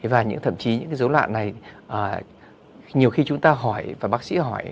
và thậm chí những dấu đoạn này nhiều khi chúng ta hỏi và bác sĩ hỏi